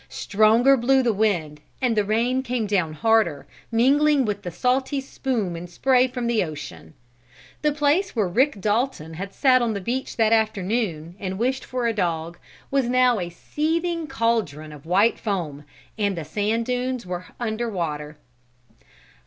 Stronger blew the wind, and the rain came down harder, mingling with the salty spume and spray from the ocean. The place where Rick Dalton had sat on the beach that afternoon, and wished for a dog, was now a seething caldron of white foam, and the sand dunes were under water.